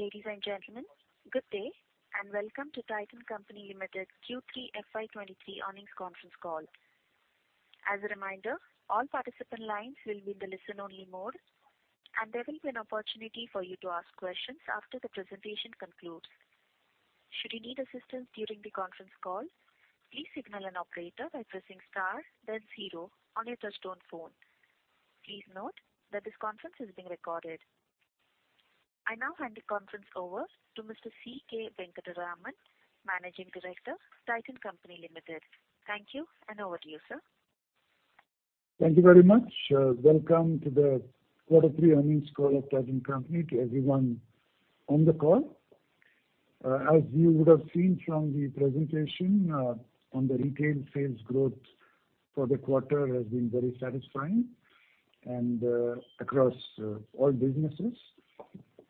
Ladies and gentlemen, good day, and welcome to Titan Company Limited Q3 FY23 earnings conference call. As a reminder, all participant lines will be in the listen-only mode, and there will be an opportunity for you to ask questions after the presentation concludes. Should you need assistance during the conference call, please signal an operator by pressing star then zero on your touchtone phone. Please note that this conference is being recorded. I now hand the conference over to Mr. C.K. Venkataraman, Managing Director, Titan Company Limited. Thank you, and over to you, sir. Thank you very much. Welcome to the quarter three earnings call of Titan Company to everyone on the call. As you would have seen from the presentation, on the retail sales growth for the quarter has been very satisfying and across all businesses.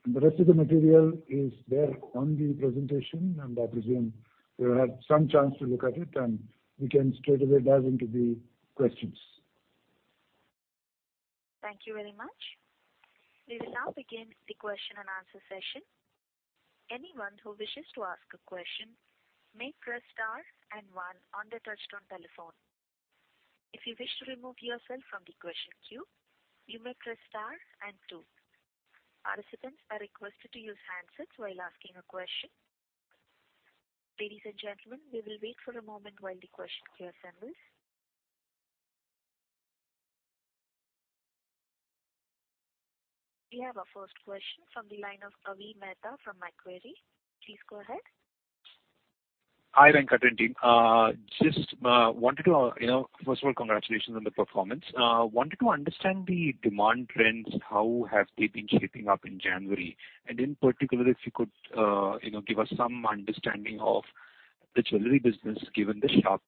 The rest of the material is there on the presentation, I presume you have had some chance to look at it and we can straightaway dive into the questions. Thank you very much. We will now begin the question and answer session. Anyone who wishes to ask a question may press star and One on their touchtone telephone. If you wish to remove yourself from the question queue, you may press star and two. Participants are requested to use handsets while asking a question. Ladies and gentlemen, we will wait for a moment while the question queue assembles. We have our first question from the line of Avi Mehta from Macquarie. Please go ahead. Hi, Venkat and team. Just wanted to, you know. First of all, congratulations on the performance. Wanted to understand the demand trends, how have they been shaping up in January. In particular, if you could, you know, give us some understanding of the jewelry business, given the sharp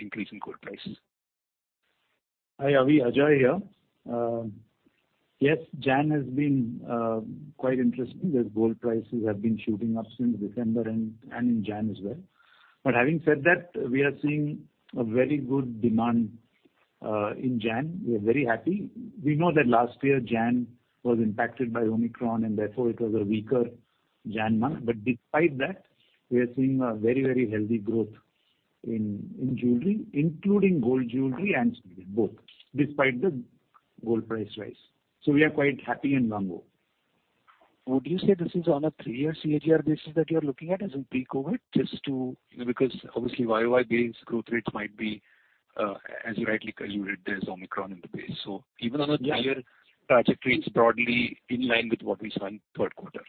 increase in gold prices. Hi, Avi. Ajoy here. Yes, January has been quite interesting as gold prices have been shooting up since December and in January as well. Having said that, we are seeing a very good demand in January. We are very happy. We know that last year January was impacted by Omicron, and therefore it was a weaker January month. Despite that, we are seeing a very, very healthy growth in jewellery, including gold jewellery and silver, both, despite the gold price rise. We are quite happy and nimble. Would you say this is on a three-year CAGR basis that you're looking at as in pre-COVID? You know, because obviously YoY base growth rates might be, as rightly calculated, there's Omicron in the base. Yeah. A three-year trajectory, it's broadly in line with what we saw in third quarter.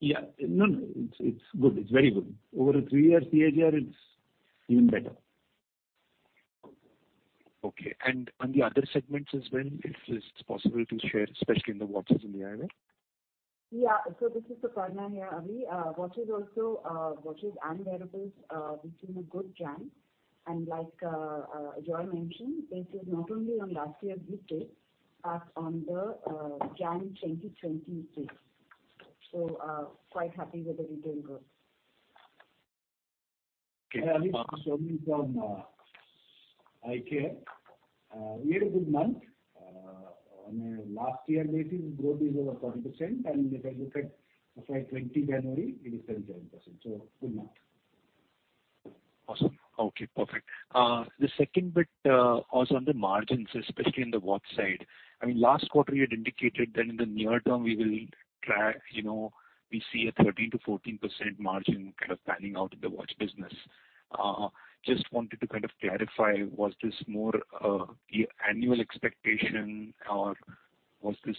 Yeah. No, no, it's good. It's very good. Over a three-year CAGR, it's even better. Okay. On the other segments as well, if it's possible to share, especially in the watches and the eyewear? This is Suparna here, Avi. Watches also, watches and wearables, we've seen a good Jan. Like Ajoy mentioned, this is not only on last year's good base, but on the Jan 2020 base. Quite happy with the retail growth. Okay. Awesome. Avi, this is Somani from IC. We had a good month. On a last year basis, growth is over 20%. If I look at FY 20 January, it is 37%. Good month. Awesome. Okay, perfect. The second bit, also on the margins, especially on the watch side. I mean, last quarter you had indicated that in the near term we will try, you know, we see a 13%-14% margin kind of panning out in the watch business. Just wanted to kind of clarify, was this more, annual expectation or was this?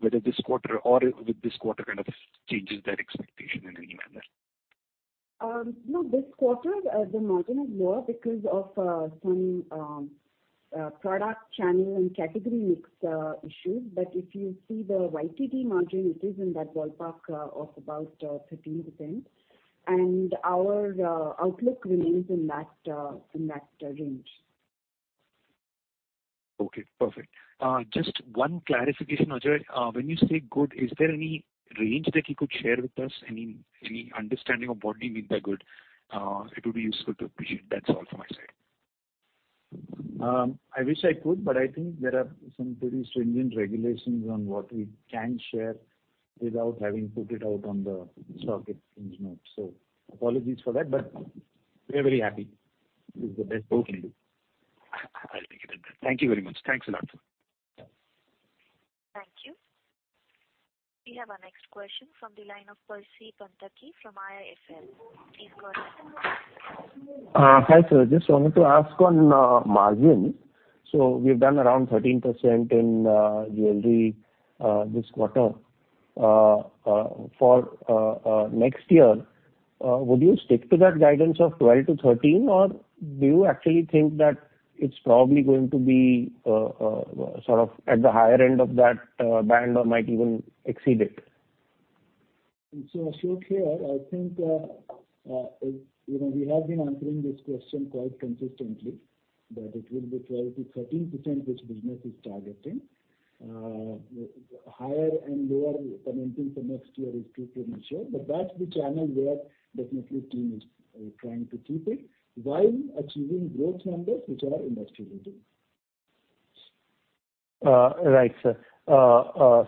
Whether this quarter or with this quarter kind of changes that expectation in any manner? No, this quarter, the margin is lower because of some product channel and category mix issues. If you see the YTD margin, it is in that ballpark of about 13%. Our outlook remains in that in that range. Okay, perfect. Just one clarification, Ajoy. When you say good, is there any range that you could share with us? Any understanding of what you mean by good? It would be useful to appreciate. That's all from my side. I wish I could, but I think there are some pretty stringent regulations on what we can share without having put it out on the stock exchange notes. Apologies for that, but we're very happy. This is the best quote we can do. I'll take it at that. Thank you very much. Thanks a lot. Thank you. We have our next question from the line of Percy Panthaki from IIFL. Please go ahead. wanted to ask on margin. So we've done around 13% in jewelry this quarter. For next year, would you stick to that guidance of 12%-13%, or do you actually think that it's probably going to be sort of at the higher end of that band or might even exceed it? Ashok here. I think, you know, we have been answering this question quite consistently, that it will be 12%-13% this business is targeting. Higher and lower commenting for next year is too premature, but that's the channel where definitely team is trying to keep it while achieving growth numbers which are industry leading. Right, sir.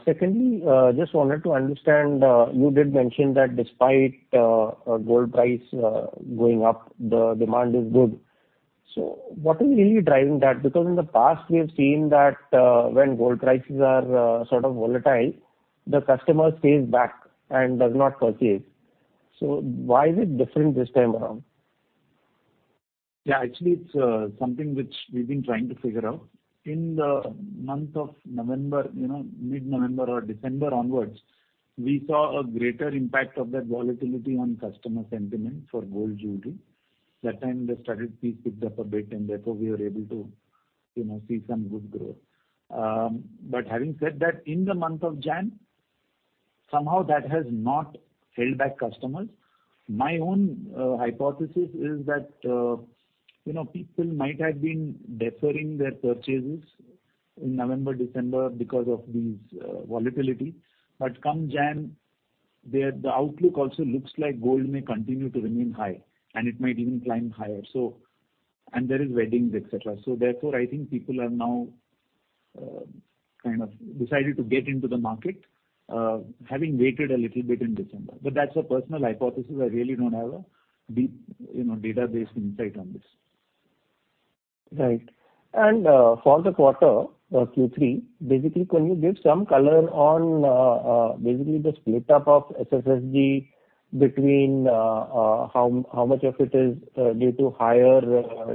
Secondly, just wanted to understand, you did mention that despite gold price going up, the demand is good. What is really driving that? Because in the past we have seen that when gold prices are sort of volatile, the customer stays back and does not purchase. Why is it different this time around? Yeah. Actually it's something which we've been trying to figure out. In the month of November, you know, mid-November or December onwards, we saw a greater impact of that volatility on customer sentiment for gold jewelry. That time the studded piece picked up a bit, and therefore we were able to, you know, see some good growth. Having said that, in the month of January, somehow that has not held back customers. My own hypothesis is that, you know, people might have been deferring their purchases in November, December because of these volatility. Come January, the outlook also looks like gold may continue to remain high, and it might even climb higher. There is weddings, et cetera. I think people have now, kind of decided to get into the market, having waited a little bit in December. That's a personal hypothesis. I really don't have a deep, you know, database insight on this. Right. For the quarter, Q3, basically can you give some color on basically the split up of SSSG between how much of it is due to higher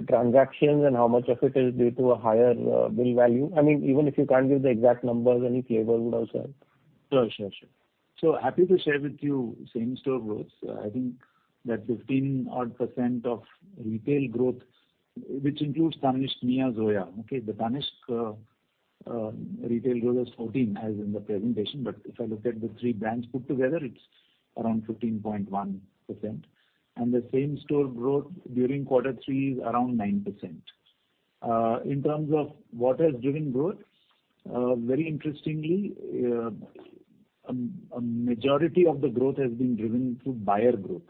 transactions and how much of it is due to a higher bill value? I mean, even if you can't give the exact numbers, any flavor would also help. Sure. Happy to share with you same-store growth. I think that 15% odd of retail growth, which includes Tanishq, Mia, Zoya, okay? The Tanishq retail growth is 14 as in the presentation. If I look at the three brands put together, it's around 15.1%. The same-store growth during quarter three is around 9%. In terms of what has driven growth, very interestingly, a majority of the growth has been driven through buyer growth.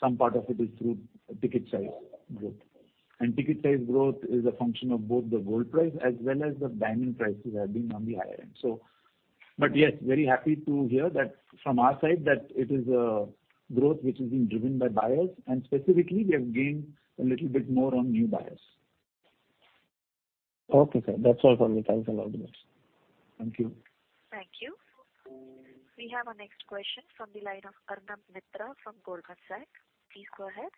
Some part of it is through ticket size growth. Ticket size growth is a function of both the gold price as well as the diamond prices have been on the higher end. Yes, very happy to hear that from our side that it is a growth which is being driven by buyers, and specifically we have gained a little bit more on new buyers. Okay, sir. That's all from me. Thanks a lot. Thank you. Thank you. We have our next question from the line of Arnab Mitra from Goldman Sachs. Please go ahead.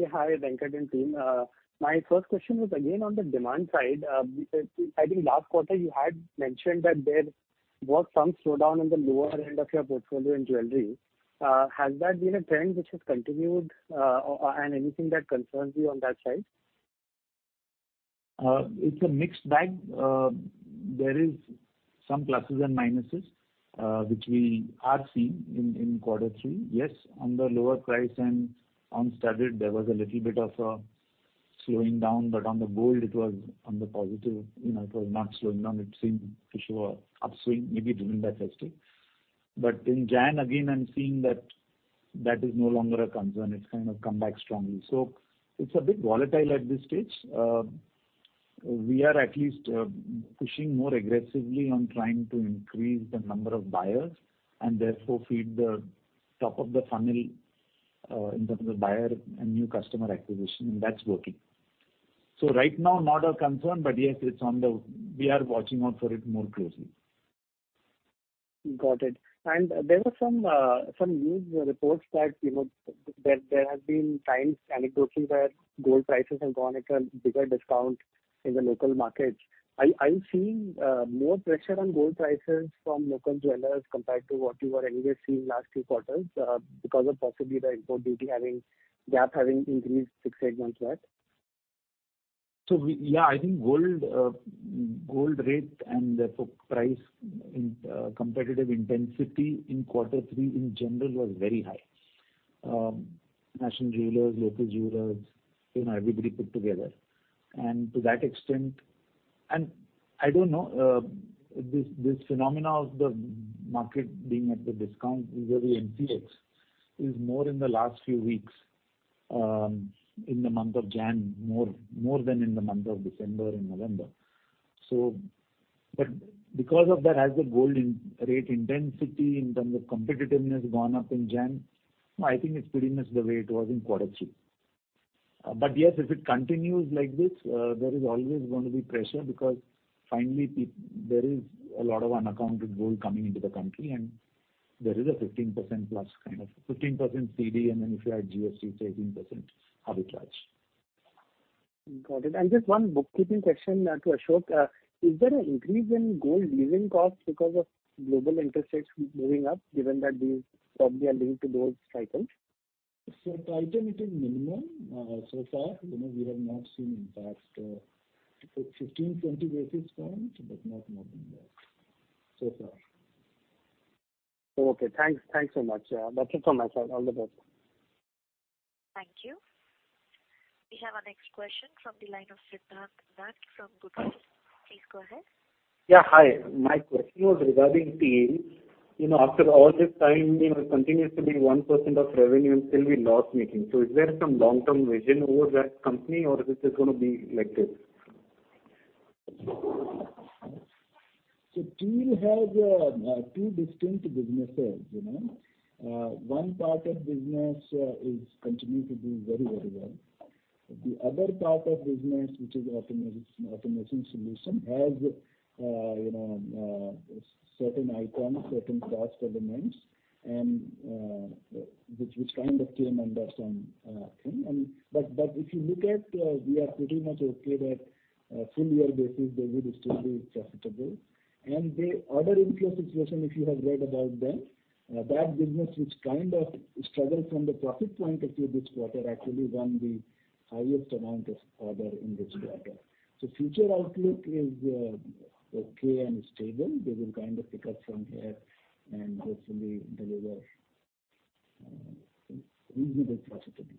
Hi, Venkat and team. My first question was again on the demand side. I think last quarter you had mentioned that there was some slowdown in the lower end of your portfolio in jewelry. Has that been a trend which has continued, and anything that concerns you on that side? It's a mixed bag. There is some pluses and minuses, which we are seeing in quarter three. Yes, on the lower price and on studded there was a little bit of a slowing down, but on the gold it was on the positive, you know, it was not slowing down. It seemed to show a upswing, maybe driven by festive. In January, again, I'm seeing that that is no longer a concern. It's kind of come back strongly. It's a bit volatile at this stage. We are at least pushing more aggressively on trying to increase the number of buyers and therefore feed the top of the funnel, in terms of buyer and new customer acquisition, and that's working. Right now not a concern, but yes, it's on the... We are watching out for it more closely. Got it. There were some news reports that, you know, there have been times anecdotally where gold prices have gone at a bigger discount in the local markets. Are you seeing more pressure on gold prices from local jewelers compared to what you were anyways seeing last few quarters, because of possibly the import duty gap having increased six, eight months back? Yeah. I think gold rate and therefore price in, competitive intensity in quarter three in general was very high. National jewelers, local jewelers, you know, everybody put together. To that extent. I don't know, this phenomena of the market being at the discount is very MPX, is more in the last few weeks, in the month of Jan, more than in the month of December and November. Because of that, has the gold in rate intensity in terms of competitiveness gone up in Jan? No, I think it's pretty much the way it was in quarter two. But yes, if it continues like this, there is always gonna be pressure because finally there is a lot of unaccounted gold coming into the country, and there is a 15% +, kind of. 15% CD, and then if you add GST, it's 18% arbitrage. Got it. Just one bookkeeping question, to Ashok. Is there an increase in gold dealing costs because of global interest rates moving up given that these probably are linked to gold titles? Titan, it is minimum, so far. You know, we have not seen impact. 15, 20 basis points, but not more than that so far. Okay. Thanks. Thanks so much. That's it from my side. All the best. Thank you. We have our next question from the line of Siddhant Dand from Goodwill. Please go ahead. Yeah, hi. My question was regarding TEAL. You know, after all this time, you know, it continues to be 1% of revenue and still be loss-making. Is there some long-term vision over that company or is it just going to be like this? TEAL has two distinct businesses, you know. One part of business is continuing to do very, very well. The other part of business, which is automation solution, has, you know, certain icons, certain cost elements, and which kind of came under some thing. If you look at, we are pretty much okay that full-year basis they will still be profitable. The order inflow situation, if you have read about them, that business which kind of struggled from the profit point of view this quarter actually won the highest amount of order in this quarter. Future outlook is okay and stable. They will kind of pick up from here and hopefully deliver reasonable profitability.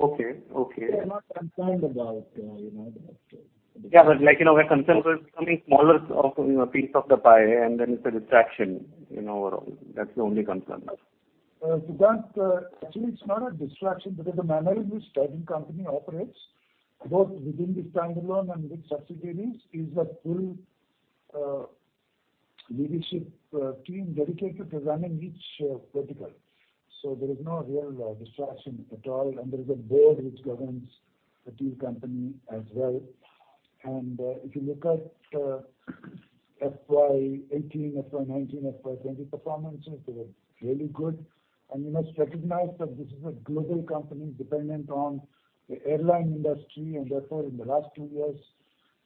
Okay. Okay. I'm not concerned about, you know. Yeah, like, you know, we're concerned with becoming smaller of, you know, piece of the pie and then it's a distraction, you know. That's the only concern. Siddhant, actually it's not a distraction because the manner in which Titan Company operates, both within this standalone and with subsidiaries, is a full leadership team dedicated to running each vertical. There is no real distraction at all, and there is a board which governs the TEAL company as well. If you look at FY18, FY19, FY20 performance, it was really good. You must recognize that this is a global company dependent on the airline industry, and therefore in the last 2 years,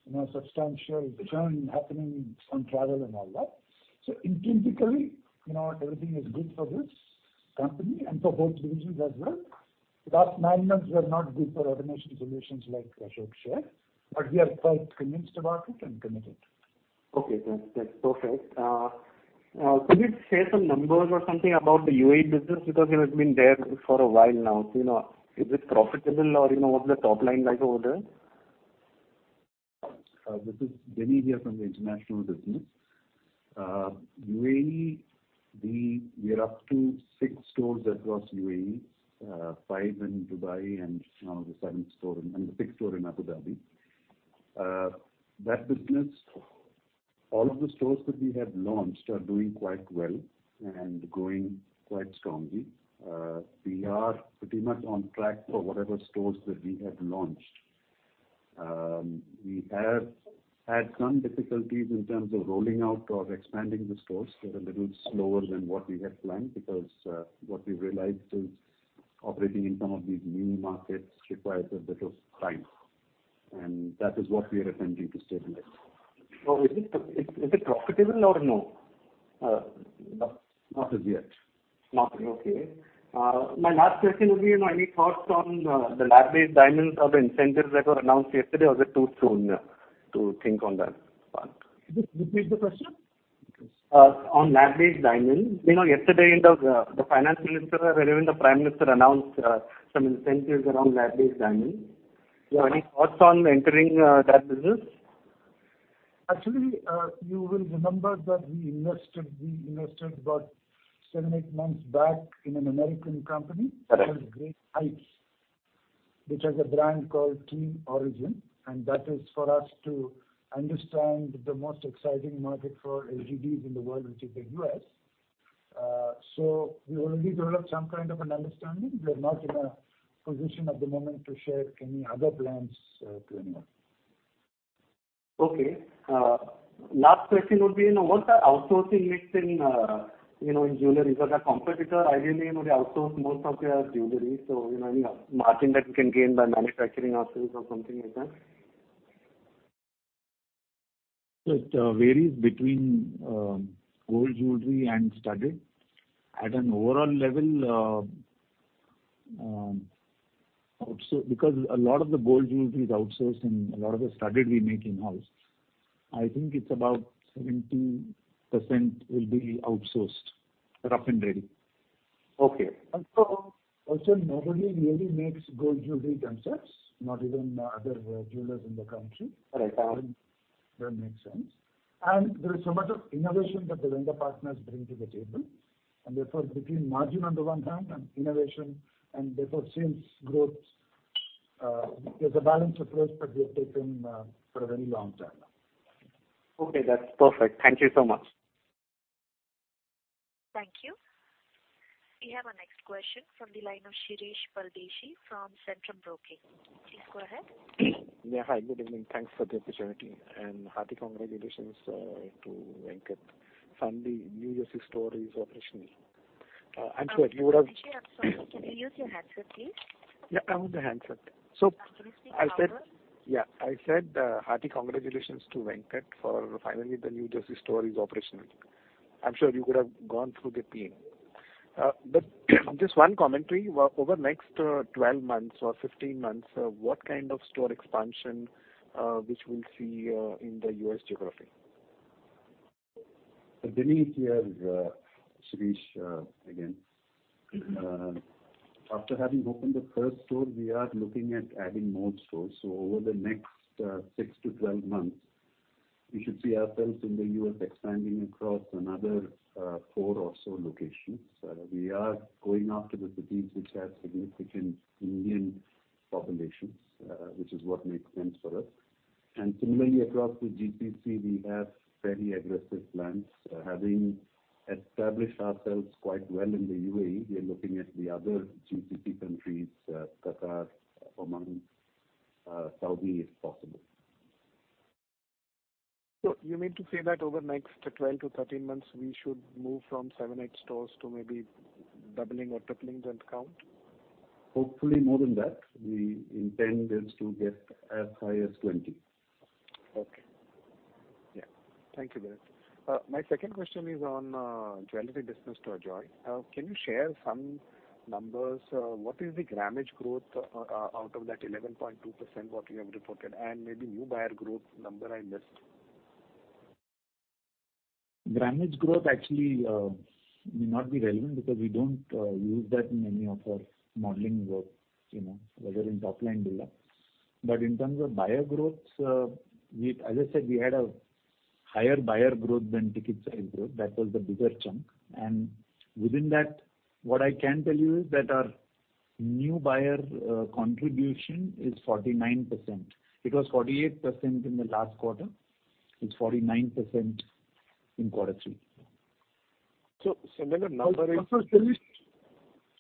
you know, substantial decline happening on travel and all that. Intrinsically, you know, everything is good for this company and for both divisions as well. The last 9 months were not good for automation solutions like Ashok shared, but we are quite convinced about it and committed. Okay, that's perfect. Could you share some numbers or something about the UAE business? You know, it's been there for a while now, so, you know, is it profitable or, you know, what's the top line like over there? This is Vinit here from the international business. UAE, we are up to 6 stores across UAE, 5 in Dubai and now the 6th store in Abu Dhabi. That business, all of the stores that we have launched are doing quite well and growing quite strongly. We are pretty much on track for whatever stores that we have launched. We have had some difficulties in terms of rolling out or expanding the stores. They're a little slower than what we had planned because what we've realized is operating in some of these new markets requires a bit of time, and that is what we are attempting to stabilize. Is it profitable or no? Not as yet. Okay. My last question would be, you know, any thoughts on the lab-made diamonds or the incentives that were announced yesterday, or is it too soon to think on that part? Just repeat the question. On lab-grown diamonds. You know, yesterday in the finance minister, wherein the Prime Minister announced some incentives around lab-grown diamonds. Do you have any thoughts on entering that business? Actually, you will remember that we invested about 7, 8 months back in an American company. Correct. Called Clean Origin, which has a brand called Team Origin, and that is for us to understand the most exciting market for LGDs in the world, which is the U.S. We already developed some kind of an understanding. We are not in a position at the moment to share any other plans to anyone. Okay. Last question would be, you know, what's the outsourcing mix in, you know, in jewelry? Our competitor, ideally, you know, they outsource most of their jewelry. You know, any margin that you can gain by manufacturing ourselves or something like that? It varies between gold jewelry and studded. At an overall level, because a lot of the gold jewelry is outsourced and a lot of the studded we make in-house. I think it's about 70% will be outsourced rough and ready. Okay. Nobody really makes gold jewelry themselves, not even other jewelers in the country. Right. It doesn't make sense. There is so much of innovation that the vendor partners bring to the table. Therefore, between margin on the one hand and innovation and therefore sales growth, there's a balance approach that we have taken for a very long time now. Okay, that's perfect. Thank you so much. Thank you. We have our next question from the line of Shirish Pardeshi from Centrum Broking. Please go ahead. Yeah, hi. Good evening. Thanks for the opportunity, and hearty congratulations to Venkat. Finally, New Jersey store is operational. I'm sure you would have. Shirish, I'm sorry. Can you use your handset, please? Yeah, I'm on the handset. Can you speak louder? Yeah. I said hearty congratulations to Venkat for finally the New Jersey store is operational. I'm sure you could have gone through the pain. Just one commentary. Over the next 12 months or 15 months, what kind of store expansion which we'll see in the U.S. geography? Denise here is Shirish again. After having opened the first store, we are looking at adding more stores. Over the next 6-12 months, we should see ourselves in the US expanding across another 4 or so locations. We are going after the cities which have significant Indian populations, which is what makes sense for us. Similarly across the GCC, we have very aggressive plans. Having established ourselves quite well in the UAE, we are looking at the other GCC countries, Qatar, Oman, Saudi if possible. You mean to say that over the next 12 to 13 months, we should move from 7, 8 stores to maybe doubling or tripling that count? Hopefully more than that. We intend this to get as high as 20. Okay. Yeah. Thank you, Bharat. My second question is on jewelry business to Ajoy. Can you share some numbers? What is the grammage growth out of that 11.2% what you have reported? Maybe new buyer growth number I missed. Grammage growth actually may not be relevant because we don't use that in any of our modeling work, you know, whether in top line build-up. In terms of buyer growth, as I said, we had a higher buyer growth than ticket size growth. That was the bigger chunk. Within that, what I can tell you is that our new buyer contribution is 49%. It was 48% in the last quarter. It's 49% in Q3. The number.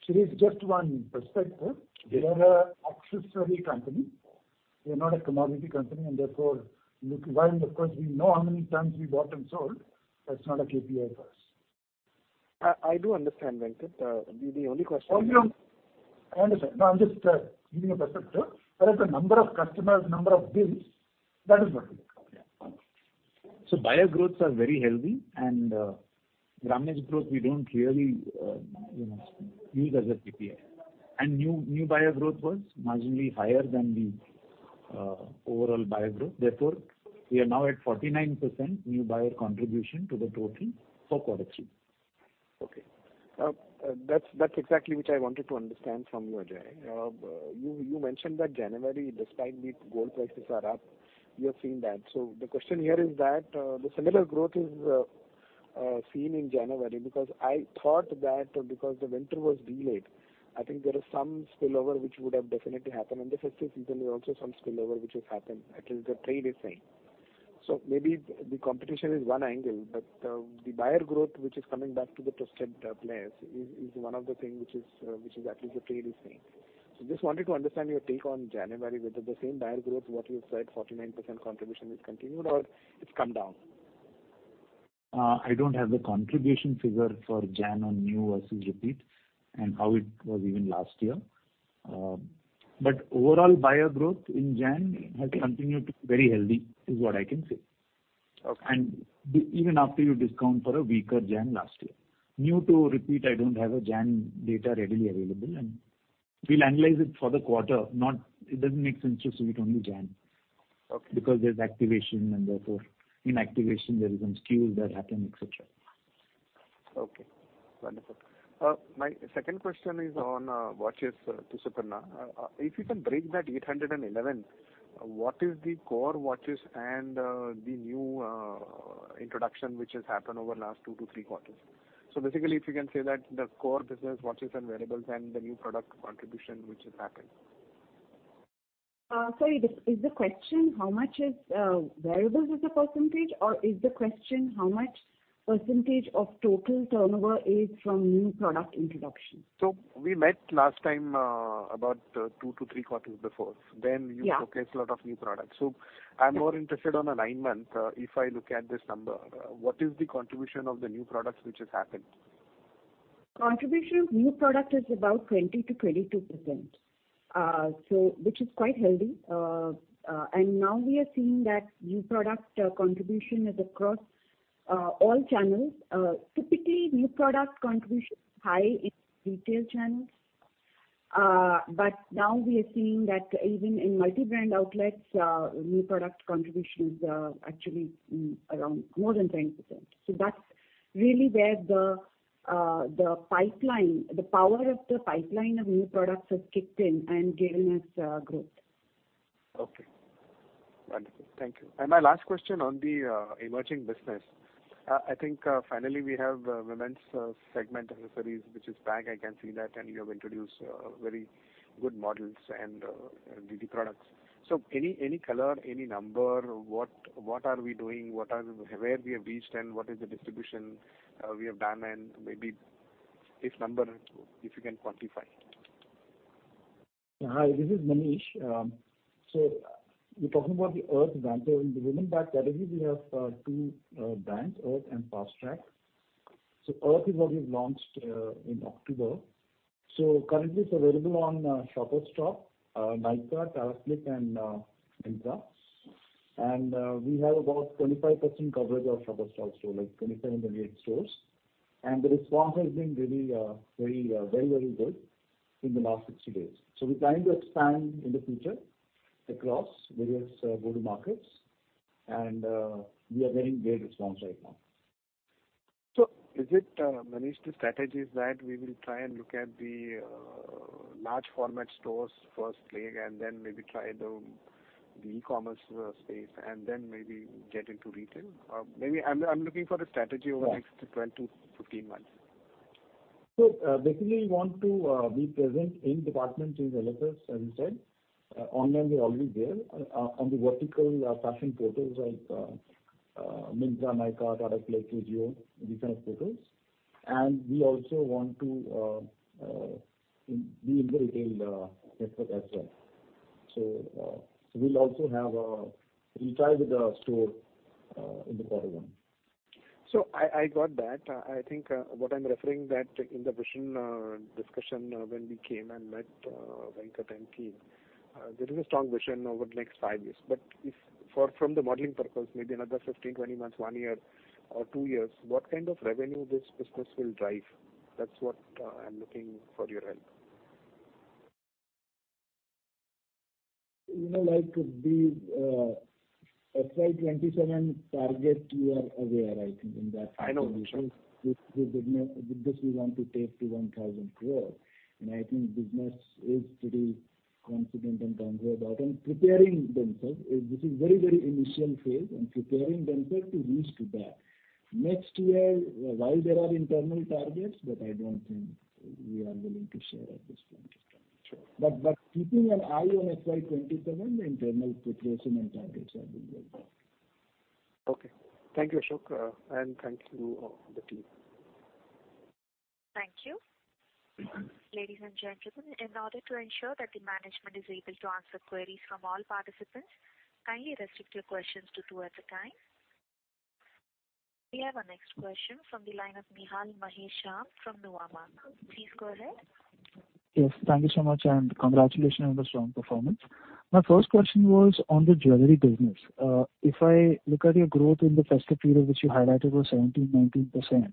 Shirish, just one perspective. Yeah. We are a accessory company. We are not a commodity company and therefore while of course we know how many times we bought and sold, that's not a KPI for us. I do understand, Venkat. The only question... I understand. No, I'm just giving a perspective. The number of customers, number of bills, that is what it is. Yeah. Buyer growths are very healthy and, you know, grammage growth we don't really use as a KPI. New buyer growth was marginally higher than the overall buyer growth. Therefore, we are now at 49% new buyer contribution to the total for quarter three. Okay. That's exactly which I wanted to understand from you, Ajoy. You mentioned that January despite the gold prices are up, you have seen that. The question here is that the similar growth is seen in January because I thought that because the winter was delayed, I think there is some spillover which would have definitely happened. In the festive season, there's also some spillover which has happened. At least the trade is saying. Maybe the competition is one angle, but the buyer growth which is coming back to the trusted players is one of the thing which is at least the trade is saying. Just wanted to understand your take on January, whether the same buyer growth, what you have said, 49% contribution is continued or it's come down. I don't have the contribution figure for January on new versus repeat and how it was even last year. Overall buyer growth in January has continued to be very healthy, is what I can say. Okay. Even after you discount for a weaker January last year. New to repeat, I don't have a January data readily available, and we'll analyze it for the quarter. It doesn't make sense to see it only January. Okay. There's activation and therefore inactivation, there is some skew that happen, et cetera. Okay. Wonderful. My second question is on watches to Suparna. If you can break that 811, what is the core watches and the new introduction which has happened over last two to three quarters? Basically if you can say that the core business watches and wearables and the new product contribution which has happened. Sorry, is the question how much is wearables as a % or is the question how much % of total turnover is from new product introduction? We met last time, about 2 to 3 quarters before. Yeah. You showcased a lot of new products. I'm more interested on a nine-month, if I look at this number. What is the contribution of the new products which has happened? Contribution of new product is about 20%-22%. Which is quite healthy. Now we are seeing that new product contribution is across all channels. Typically new product contribution is high in retail channels. Now we are seeing that even in multi-brand outlets, new product contribution is actually around more than 10%. That's really where the pipeline, the power of the pipeline of new products has kicked in and given us growth. Okay. Wonderful. Thank you. My last question on the emerging business. I think finally we have women's segment accessories which is back, I can see that, and you have introduced very good models and the products. Any color, any number, what are we doing? Where we have reached and what is the distribution we have done? Maybe if number, if you can quantify. Hi, this is Manish. We're talking about the IRTH brand. In the women bag category, we have two brands, IRTH and Fastrack. IRTH is what we've launched in October. Currently it's available on Shoppers Stop, Nykaa, Tata CLiQ and Myntra. We have about 25% coverage of Shoppers Stop store, like 2,508 stores. The response has been really, very good in the last 60 days. We're trying to expand in the future across various board markets, and, we are getting great response right now. Is it managed strategies that we will try and look at the large format stores firstly and then maybe try the e-commerce space and then maybe get into retail? Maybe I'm looking for a strategy over the next 12-15 months. Basically we want to be present in department stores as you said. Online we're already there. On the vertical fashion portals like Myntra, Nykaa, Tata CLiQ, AJIO, different portals. We also want to be in the retail network as well. We'll also have a retail with a store in the quarter one. I got that. I think, what I'm referring that in the vision, discussion when we came and met, Venkat and Keith, there is a strong vision over the next five years. If from the modeling purpose, maybe another 15, 20 months, one year or two years, what kind of revenue this business will drive? That's what, I'm looking for your help. You know, like the FY27 target, you are aware, I think, in that condition. I know. This business we want to take to 1,000 crores. I think business is pretty confident and comfortable about and preparing themselves. This is very initial phase and preparing themselves to reach to that. Next year, while there are internal targets, I don't think we are willing to share at this point in time. Sure. keeping an eye on FY27, the internal preparation and targets are being worked on. Okay. Thank you, Ashok, and thank you, the team. Thank you. Ladies and gentlemen, in order to ensure that the management is able to answer queries from all participants, kindly restrict your questions to two at a time. We have our next question from the line of Nihal Mahesh Jham from Nuvama. Please go ahead. Yes. Thank you so much, and congratulations on the strong performance. My first question was on the jewelry business. If I look at your growth in the festive period, which you highlighted was 17%-19%,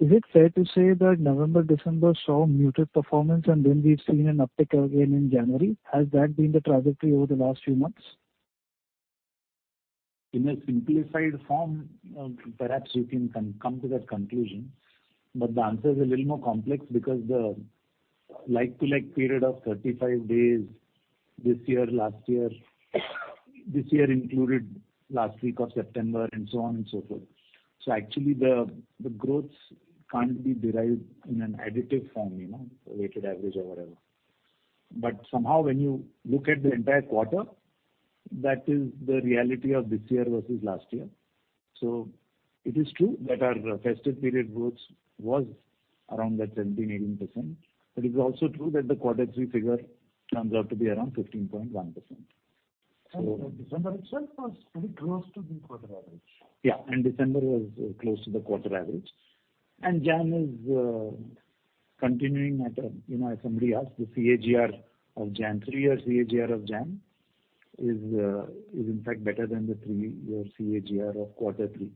is it fair to say that November, December saw muted performance and then we've seen an uptick again in January? Has that been the trajectory over the last few months? In a simplified form, perhaps you can come to that conclusion, but the answer is a little more complex because the like to like period of 35 days this year, last year, this year included last week of September and so on and so forth. Actually the growths can't be derived in an additive form, you know, weighted average or whatever. Somehow when you look at the entire quarter, that is the reality of this year versus last year. It is true that our festive period growth was around that 17%, 18%. It's also true that the quarter three figure turns out to be around 15.1%. December itself was very close to the quarter average. Yeah. December was close to the quarter average. Jan is continuing at a, you know, if somebody asks the CAGR of Jan, three-year CAGR of Jan is in fact better than the three-year CAGR of quarter three.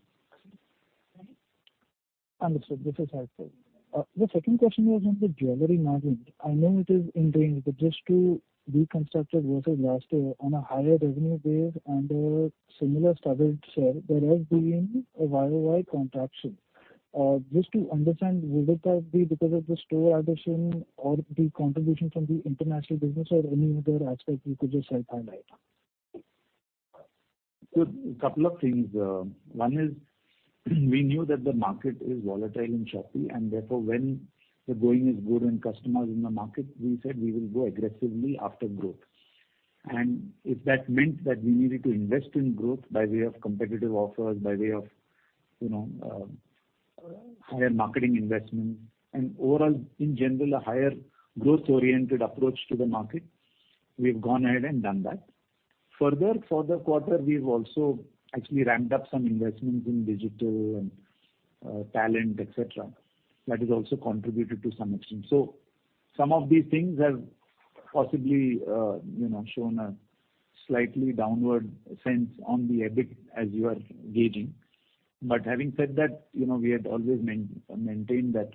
Understood. This is helpful. The second question was on the jewelry margin. I know it is in range, but just to reconstruct it versus last year on a higher revenue base and a similar stubble share, there has been a YoY contraction. Just to understand, would that be because of the store addition or the contribution from the international business or any other aspect you could just help highlight? couple of things. one is we knew that the market is volatile and choppy and therefore when the going is good and customers in the market, we said we will go aggressively after growth. if that meant that we needed to invest in growth by way of competitive offers, by way of, you know, higher marketing investment and overall, in general, a higher growth-oriented approach to the market, we've gone ahead and done that. for the quarter, we've also actually ramped up some investments in digital and talent, et cetera. That has also contributed to some extent. some of these things have possibly, you know, shown a slightly downward sense on the EBIT as you are gauging. Having said that, you know, we had always maintained that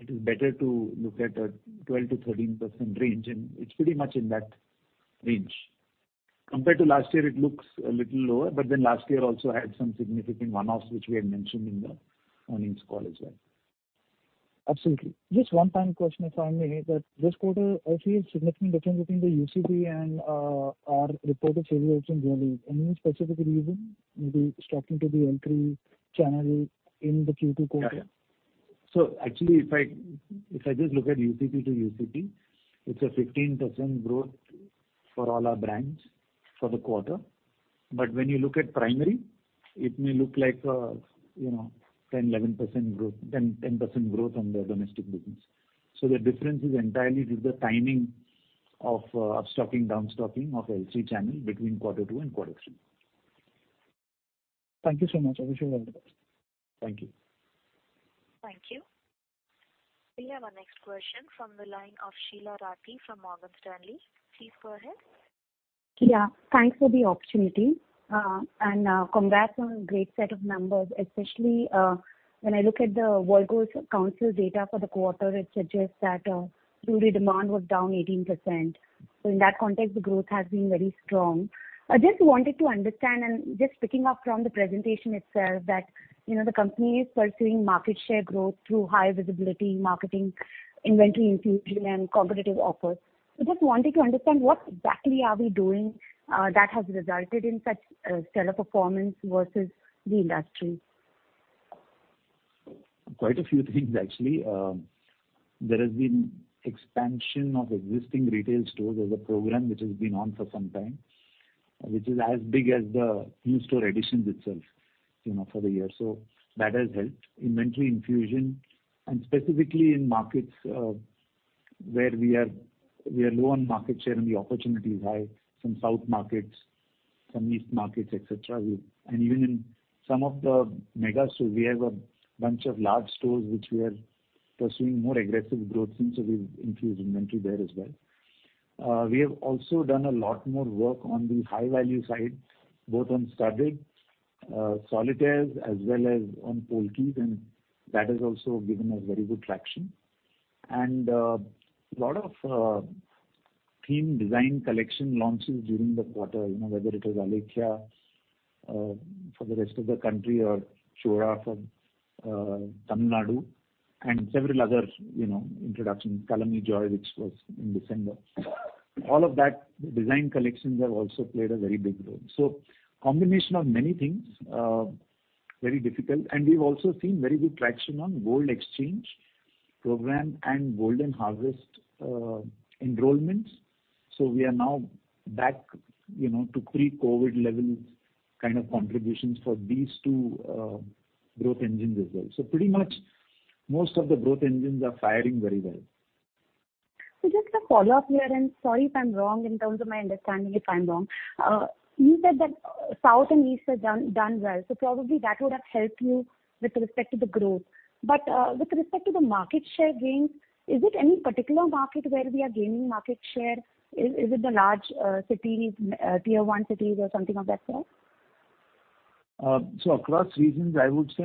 it is better to look at a 12%-13% range, it's pretty much in that range. Compared to last year it looks a little lower, last year also had some significant one-offs which we had mentioned in the earnings call as well. Absolutely. Just one final question if I may, that this quarter I see a significant difference between the UCP and our reported sales in jewelry. Any specific reason? Maybe stocking to the entry channel in the Q2 quarter? Actually if I just look at UCP to UCP, it's a 15% growth for all our brands for the quarter. When you look at primary, it may look like, you know, 10, 11% growth, 10% growth on the domestic business. The difference is entirely with the timing of stocking, down stocking of LC channel between Q2 and Q3. Thank you so much. I wish you all the best. Thank you. Thank you. We have our next question from the line of Sheela Rathi from Morgan Stanley. Please go ahead. Yeah. Thanks for the opportunity. Congrats on a great set of numbers, especially when I look at the World Gold Council data for the quarter, it suggests that jewelry demand was down 18%. In that context, the growth has been very strong. I just wanted to understand, and just picking up from the presentation itself, that, you know, the company is pursuing market share growth through high visibility marketing, inventory infusion and competitive offers. Just wanted to understand what exactly are we doing that has resulted in such stellar performance versus the industry? Quite a few things actually. There has been expansion of existing retail stores as a program which has been on for some time, which is as big as the new store additions itself, you know, for the year. That has helped. Inventory infusion and specifically in markets, where we are, we are low on market share and the opportunity is high, some south markets, some east markets, et cetera. Even in some of the mega stores, we have a bunch of large stores which we are pursuing more aggressive growth since we've infused inventory there as well. We have also done a lot more work on the high value side, both on studded, solitaires as well as on Polki, and that has also given us very good traction. Lot of theme design collection launches during the quarter, you know, whether it is Alekhya for the rest of the country or Chooda for Tamil Nadu and several other, you know, introduction, Kalani Joy, which was in December. All of that design collections have also played a very big role. Combination of many things, very difficult. We've also seen very good traction on gold exchange program and Golden Harvest enrollments. We are now back, you know, to pre-COVID levels kind of contributions for these two growth engines as well. Pretty much most of the growth engines are firing very well. Just a follow-up here, and sorry if I'm wrong in terms of my understanding, if I'm wrong. You said that south and east have done well, probably that would have helped you with respect to the growth. With respect to the market share gains, is it any particular market where we are gaining market share? Is it the large cities, tier-1 cities or something of that sort? Across regions, I would say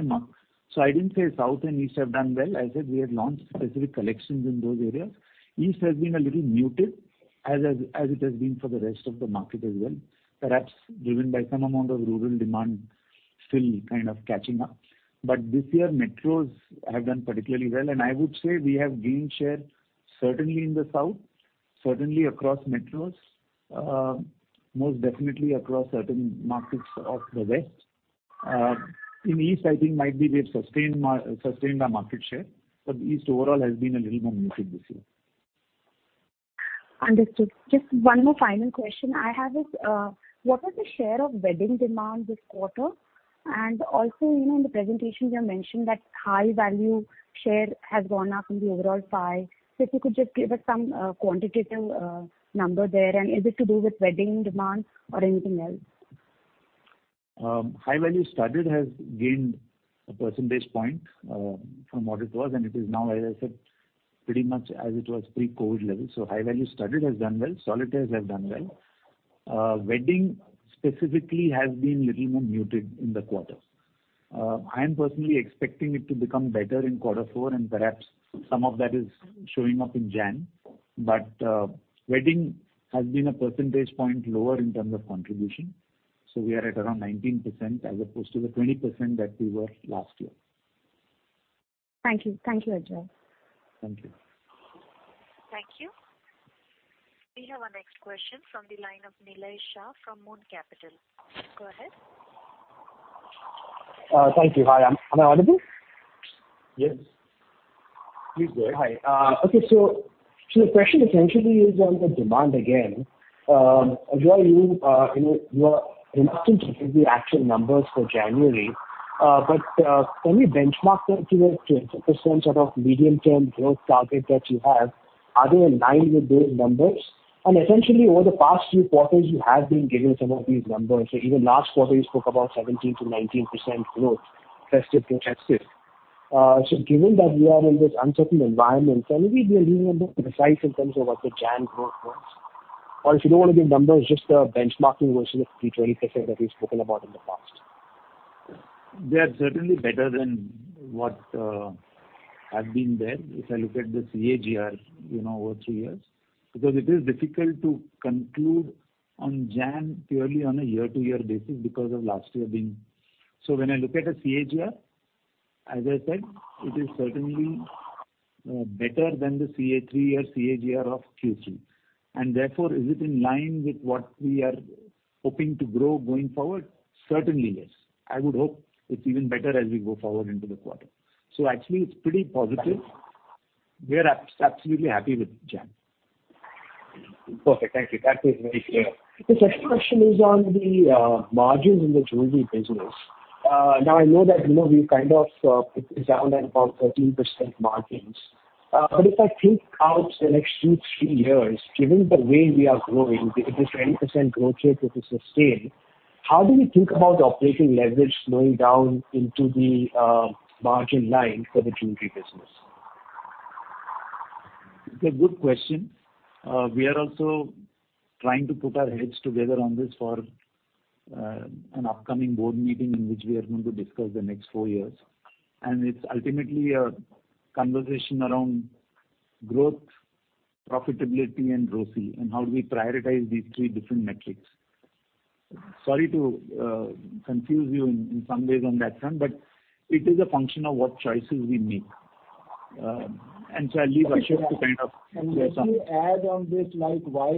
I didn't say South and East have done well. I said we have launched specific collections in those areas. East has been a little muted as it has been for the rest of the market as well. Perhaps driven by some amount of rural demand still kind of catching up. This year, metros have done particularly well. I would say we have gained share certainly in the South, certainly across metros, most definitely across certain markets of the West. In East, I think might be we have sustained our market share, but East overall has been a little more muted this year. Understood. Just one more final question I have is, what was the share of wedding demand this quarter? Also, you know, in the presentation you have mentioned that high value share has gone up in the overall pie. If you could just give us some quantitative number there, and is it to do with wedding demand or anything else? high value studded has gained a percentage point from what it was, and it is now, as I said, pretty much as it was pre-COVID levels. high value studded has done well. Solitaires have done well. wedding specifically has been little more muted in the quarter. I am personally expecting it to become better in quarter four, and perhaps some of that is showing up in January. wedding has been a percentage point lower in terms of contribution, so we are at around 19% as opposed to the 20% that we were last year. Thank you. Thank you, Ajoy. Thank you. Thank you. We have our next question from the line of Nillai Shah from Moon Capital. Go ahead. Thank you. Hi. Am I audible? Yes. Please go ahead. Hi. Okay, so the question essentially is on the demand again. Ajoy, you know, you are reluctant to give the actual numbers for January. Can you benchmark them to a certain sort of medium term growth target that you have? Are they in line with those numbers? Essentially over the past few quarters, you have been giving some of these numbers. Even last quarter you spoke about 17%-19% growth, festive to festive. Given that we are in this uncertain environment, can we be a little more precise in terms of what the Jan growth was? Or if you don't wanna give numbers, just a benchmarking versus the 3%-20% that we've spoken about in the past? They are certainly better than what have been there if I look at the CAGR, you know, over three years. It is difficult to conclude on Jan purely on a year-to-year basis because of last year being. When I look at a CAGR, as I said, it is certainly better than the 3-year CAGR of Q3. Therefore, is it in line with what we are hoping to grow going forward? Certainly, yes. I would hope it's even better as we go forward into the quarter. Actually it's pretty positive. We are absolutely happy with Jan. Perfect. Thank you. That was very clear. The second question is on the margins in the jewelry business. Now I know that, you know, you kind of, it is down at about 13% margins. If I think out the next 2, 3 years, given the way we are growing, if this 20% growth rate is sustained. How do we think about operating leverage going down into the margin line for the jewelry business? It's a good question. We are also trying to put our heads together on this for an upcoming board meeting in which we are going to discuss the next four years. It's ultimately a conversation around growth, profitability and ROCE, and how do we prioritize these three different metrics. Sorry to confuse you in some ways on that front, but it is a function of what choices we make. I'll leave Ashok to kind of say something. Let me add on this, like, while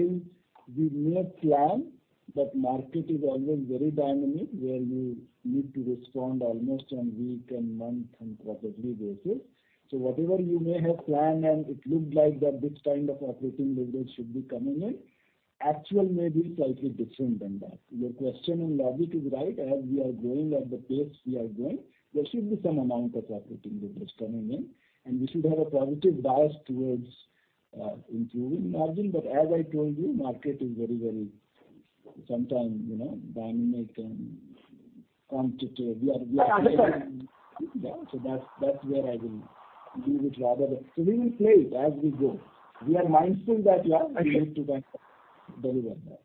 we may plan, but market is always very dynamic, where we need to respond almost on week and month and quarterly basis. Whatever you may have planned, and it looked like that this kind of operating leverage should be coming in, actual may be slightly different than that. Your question and logic is right. As we are growing at the pace we are growing, there should be some amount of operating leverage coming in, and we should have a positive bias towards improving margin. As I told you, market is very sometimes, you know, dynamic and quantitative. I understand. Yeah. That's where I will leave it rather. We will play it as we go. We are mindful that, yeah, we need to kind of deliver that.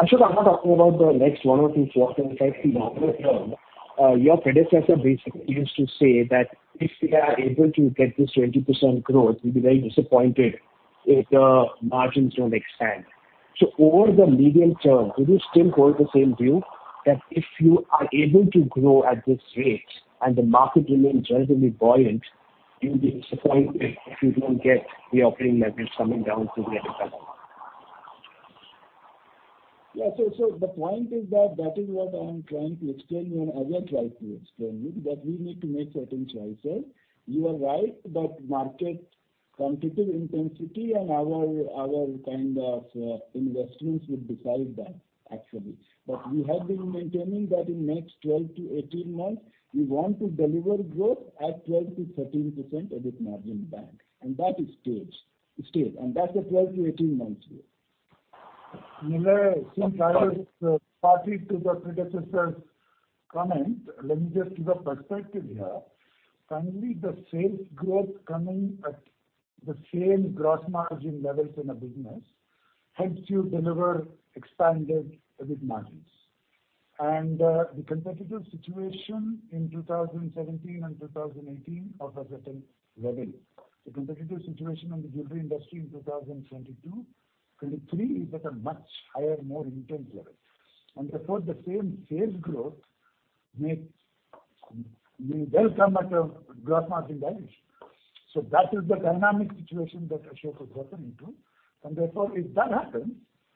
Ashok, I'm not talking about the next one or two quarters, in fact the longer term. Your predecessor basically used to say that if we are able to get this 20% growth, we'll be very disappointed if the margins don't expand. Over the medium term, do you still hold the same view that if you are able to grow at this rate and the market remains generally buoyant, you'll be disappointed if you don't get the operating leverage coming down significantly? Yeah. The point is that is what I'm trying to explain you and Ajoy tried to explain you, that we need to make certain choices. You are right that market competitive intensity and our kind of investments will decide that actually. We have been maintaining that in next 12 to 18 months we want to deliver growth at 12%-13% EBIT margin back, and that is staged. It's staged, and that's a 12 to 18 months view. Nillai, since I was party to the predecessor's comment, let me just give a perspective here. Finally, the sales growth coming at the same gross margin levels in a business helps you deliver expanded EBIT margins. The competitive situation in 2017 and 2018 of a certain level. The competitive situation on the jewelry industry in 2022, 2023 is at a much higher, more intense level. Therefore the same sales growth may well come at a gross margin damage. That is the dynamic situation that Ashok has gotten into. Therefore if that happens,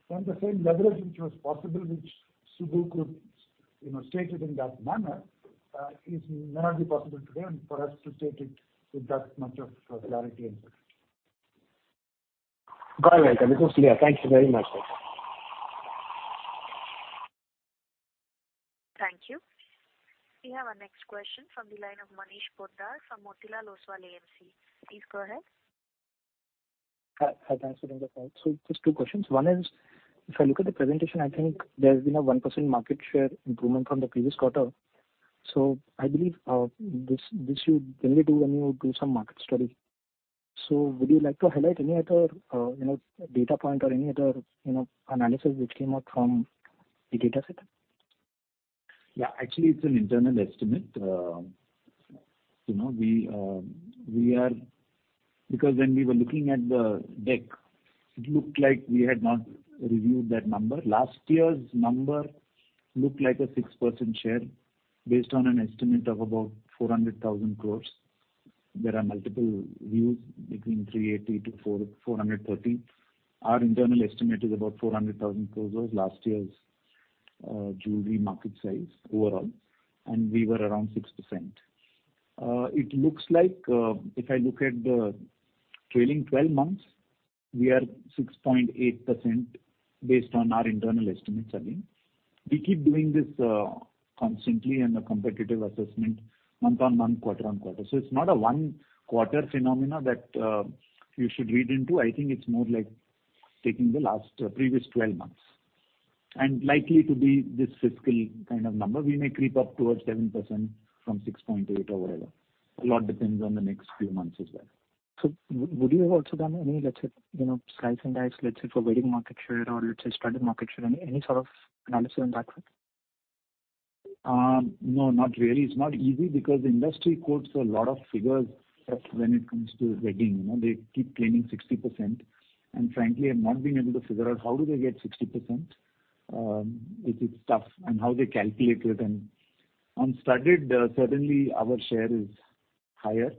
then the same leverage which was possible, which Subu could, you know, state it in that manner, is may not be possible today and for us to state it with that much of clarity and certainty. Got it. That is clear. Thank you very much, sir. Thank you. We have our next question from the line of Manish Poddar from Motilal Oswal AMC. Please go ahead. Hi. Thanks for the call. Just two questions. One is, if I look at the presentation, I think there's been a 1% market share improvement from the previous quarter. I believe, this you generally do when you do some market study. Would you like to highlight any other, you know, data point or any other, you know, analysis which came out from the data set? Yeah. Actually it's an internal estimate. you know, when we were looking at the deck, it looked like we had not reviewed that number. Last year's number looked like a 6% share based on an estimate of about 400,000 crore. There are multiple views between 380,000 crore to 430,000 crore. Our internal estimate is about 400,000 crore was last year's jewelry market size overall, and we were around 6%. It looks like if I look at the trailing 12 months, we are 6.8% based on our internal estimates again. We keep doing this constantly and a competitive assessment month-on-month, quarter-on-quarter. It's not a one quarter phenomena that you should read into. I think it's more like taking the last previous 12 months. Likely to be this fiscal kind of number. We may creep up towards 7% from 6.8% or whatever. A lot depends on the next few months as well. Would you have also done any, let's say, you know, slice and dice, let's say for wedding market share or let's say studded market share? Any sort of analysis on that front? No, not really. It's not easy because the industry quotes a lot of figures when it comes to wedding, you know? They keep claiming 60%, and frankly I've not been able to figure out how do they get 60%. It is tough. How they calculate it. On studded, certainly our share is higher.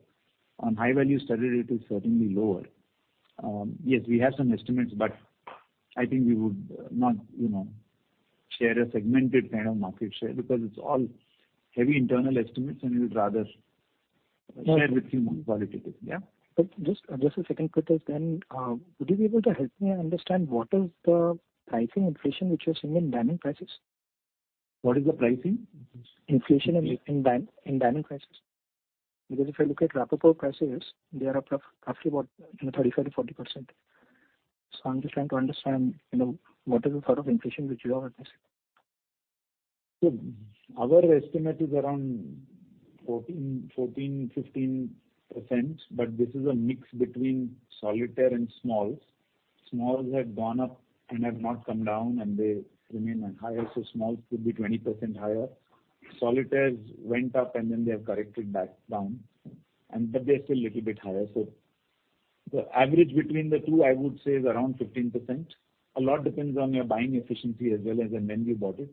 On high value studded it is certainly lower. Yes, we have some estimates, but I think we would not, you know, share a segmented kind of market share because it's all heavy internal estimates, and we would rather share with you more qualitatively. Yeah. Just a second, Pritish, then, would you be able to help me understand what is the pricing inflation which you're seeing in diamond prices? What is the pricing inflation in diamond prices? If I look at Rapaport prices, they are up roughly about, you know, 35%-40%. I'm just trying to understand, you know, what is the sort of inflation which you are addressing. Our estimate is around 14, 15%, but this is a mix between solitaire and smalls. Smalls have gone up and have not come down, and they remain higher, so smalls could be 20% higher. Solitaires went up and then they have corrected back down and but they're still a little bit higher. The average between the two, I would say, is around 15%. A lot depends on your buying efficiency as well as when you bought it.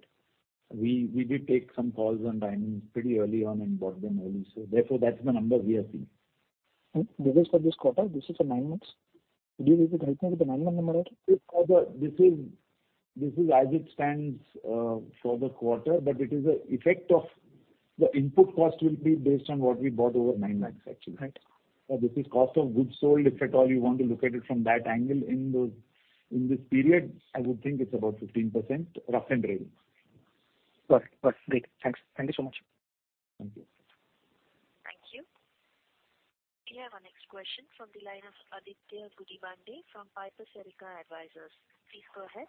We did take some calls on diamonds pretty early on and bought them early, so therefore that's the number we are seeing. This is for this quarter? This is for nine months? Do you think I think it's a nine-month number? This is as it stands for the quarter, but it is the effect of the input cost will be based on what we bought over nine months, actually. Right. This is cost of goods sold, if at all you want to look at it from that angle. In those, in this period, I would think it's about 15%, rough and ready. Got it. Great. Thanks. Thank you so much. Thank you. Thank you. We have our next question from the line of Aditya Gudibande from Piper Serica Advisors. Please go ahead.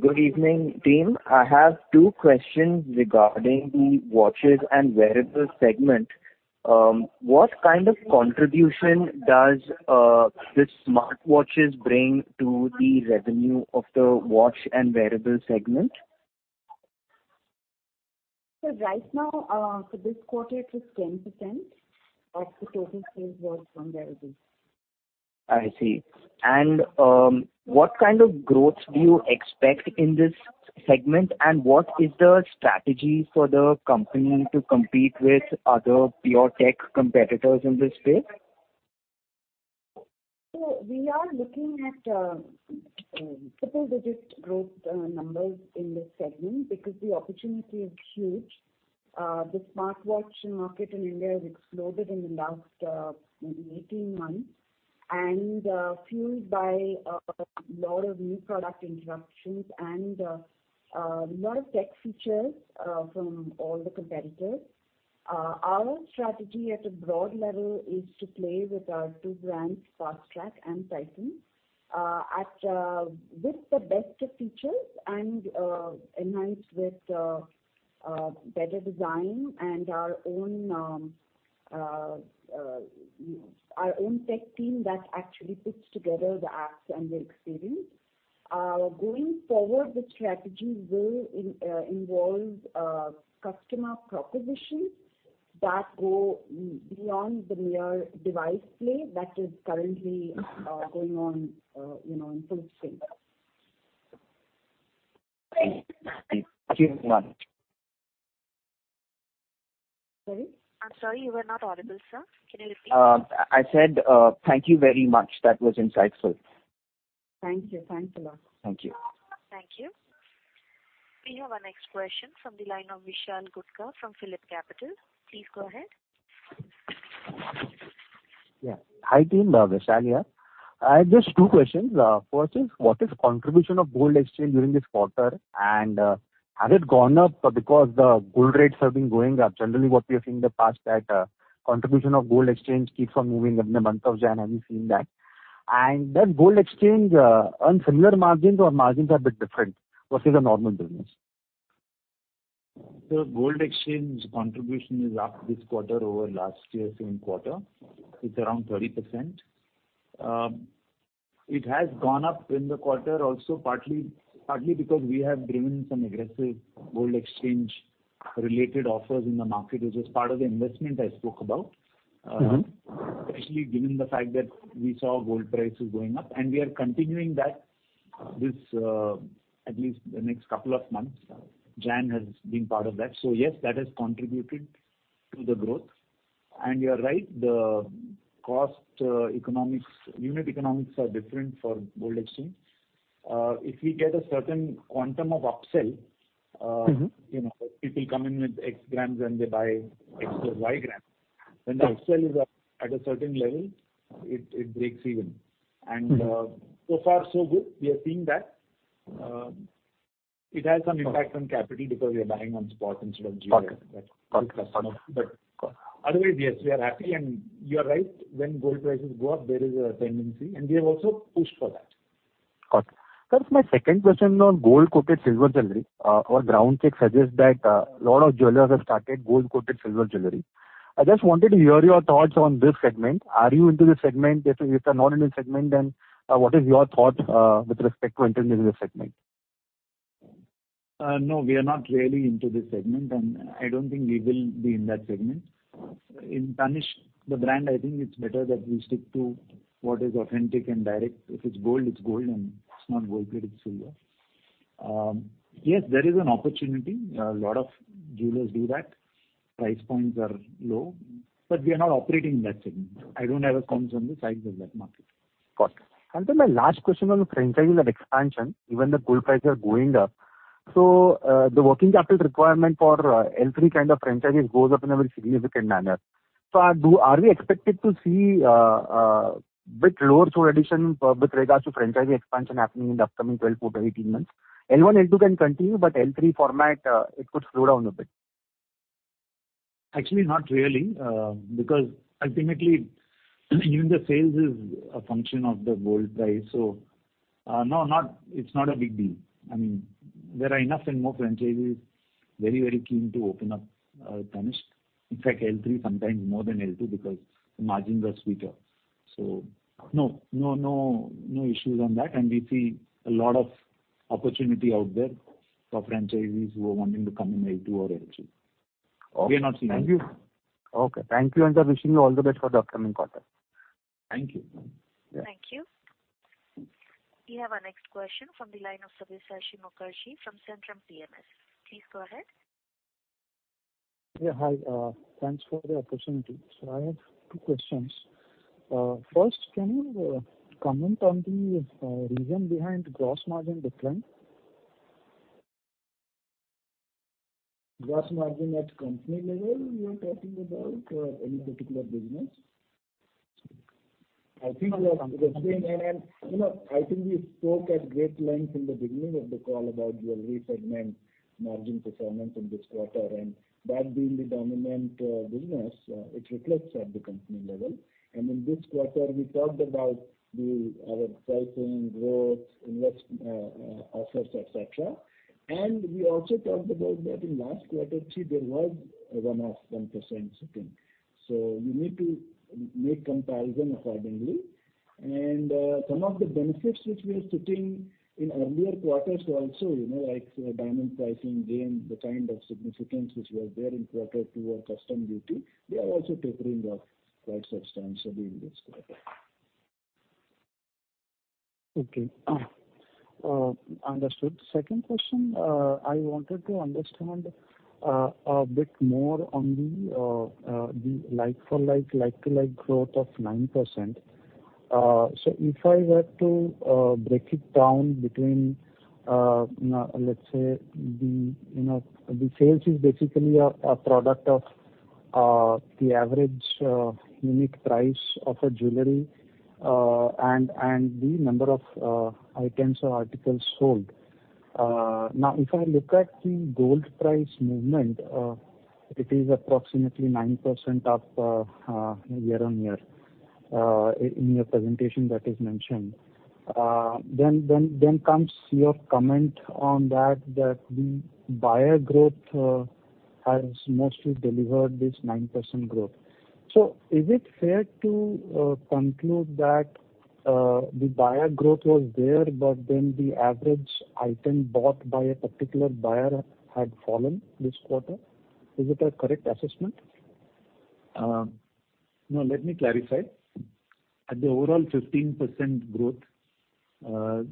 Good evening, team. I have two questions regarding the watches and wearables segment. What kind of contribution does the smartwatches bring to the revenue of the watch and wearable segment? Right now, for this quarter, it was 10% of the total sales was from wearables. I see. What kind of growth do you expect in this segment and what is the strategy for the company to compete with other pure tech competitors in this space? We are looking at double-digit growth numbers in this segment because the opportunity is huge. The smartwatch market in India has exploded in the last maybe 18 months and fueled by a lot of new product introductions and a lot of tech features from all the competitors. Our strategy at a broad level is to play with our two brands, Fastrack and Titan, at with the best of features and enhanced with better design and our own our own tech team that actually puts together the apps and the experience. Going forward, the strategy will involve customer propositions that go beyond the mere device play that is currently going on, you know, in full scale. Thank you very much. Sorry? I'm sorry, you were not audible, sir. Can you repeat? I said, thank you very much. That was insightful. Thank you. Thanks a lot. Thank you. Thank you. We have our next question from the line of Vishal Punmiya from PhillipCapital. Please go ahead. Yeah. Hi, team. Vishal here. I have just two questions. First is what is the contribution of gold exchange during this quarter, and has it gone up because the gold rates have been going up? Generally, what we have seen in the past that contribution of gold exchange keeps on moving in the month of January. Have you seen that? Does gold exchange earn similar margins or margins are bit different versus the normal business? Gold exchange contribution is up this quarter over last year's same quarter. It's around 30%. It has gone up in the quarter also partly because we have driven some aggressive gold exchange related offers in the market, which is part of the investment I spoke about. Mm-hmm. Especially given the fact that we saw gold prices going up, we are continuing that this, at least the next couple of months. January has been part of that. Yes, that has contributed to the growth. You are right, the cost economics, unit economics are different for gold exchange. If we get a certain quantum of upsell. Mm-hmm. You know, people come in with X grams and they buy extra Y grams. Right. When the upsell is at a certain level, it breaks even. Mm-hmm. So far so good. We are seeing that. It has some impact on capital because we are buying on spot instead of GSF. Got it. Got it. Got it. Otherwise, yes, we are happy. And you are right, when gold prices go up, there is a tendency, and we have also pushed for that. Got it. Sir, my second question on gold-coated silver jewelry. Our ground check suggests that a lot of jewelers have started gold-coated silver jewelry. I just wanted to hear your thoughts on this segment. Are you into this segment? If you are not in this segment, then what is your thought with respect to entering into this segment? No, we are not really into this segment, and I don't think we will be in that segment. In Tanishq, the brand, I think it's better that we stick to what is authentic and direct. If it's gold, it's gold, and if it's not gold-plated silver. Yes, there is an opportunity. A lot of jewelers do that. Price points are low. We are not operating in that segment. I don't have a comment on the size of that market. Got it. My last question on the franchises and expansion. Even the gold prices are going up, so the working capital requirement for every kind of franchises goes up in a very significant manner. Are we expected to see, bit lower store addition with regards to franchisee expansion happening in the upcoming 12-18 months? L1, L2 can continue, but L3 format, it could slow down a bit. Actually, not really. because ultimately even the sales is a function of the gold price. no, it's not a big deal. I mean, there are enough and more franchisees very keen to open up Tanishq. In fact, L3 sometimes more than L2 because the margins are sweeter. no issues on that. We see a lot of opportunity out there for franchisees who are wanting to come in L2 or L3. Okay. We are not seeing that. Thank you. Okay. Thank you, and wishing you all the best for the upcoming quarter. Thank you. Thank you. We have our next question from the line of Sabyasachi Mukherjee from Centrum PMS. Please go ahead. Yeah, hi. Thanks for the opportunity. I have two questions. First, can you comment on the reason behind gross margin decline? Gross margin at company level you are talking about or any particular business? I think we spoke at great length in the beginning of the call about jewellery segment margin performance in this quarter, and that being the dominant business, it reflects at the company level. In this quarter we talked about our pricing growth invest offers, etc. We also talked about that in last quarter, too, there was a one-off 1% sitting. You need to make comparison accordingly. Some of the benefits which we are sitting in earlier quarters were also, you know, like diamond pricing gained the kind of significance which was there in quarter two our custom duty. They are also tapering off quite substantially in this quarter. Okay. Understood. Second question, I wanted to understand a bit more on the like for like to like growth of 9%. If I were to break it down between, let's say the, you know, the sales is basically a product of the average unique price of a jewelry and the number of items or articles sold. If I look at the gold price movement, it is approximately 9% of year-on-year in your presentation that is mentioned. Comes your comment on that the buyer growth has mostly delivered this 9% growth. Is it fair to conclude that the buyer growth was there, but then the average item bought by a particular buyer had fallen this quarter? Is it a correct assessment? No, let me clarify. At the overall 15% growth, the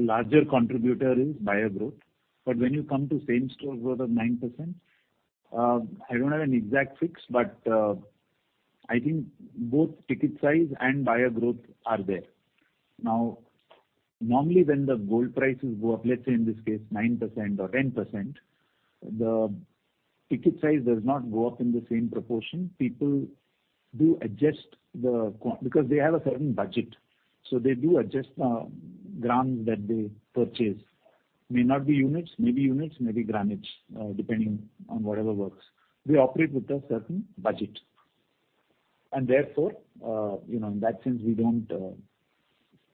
larger contributor is buyer growth. When you come to same-store growth of 9%, I don't have an exact fix, but I think both ticket size and buyer growth are there. Now, normally when the gold prices go up, let's say in this case 9% or 10%, the ticket size does not go up in the same proportion. People do adjust because they have a certain budget, so they do adjust grams that they purchase. May not be units, may be units, may be grammage, depending on whatever works. We operate with a certain budget. Therefore, you know, in that sense, we don't.